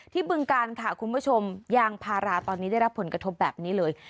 บึงการค่ะคุณผู้ชมยางพาราตอนนี้ได้รับผลกระทบแบบนี้เลย